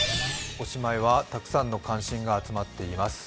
おしまいはたくさんの関心が集まっています。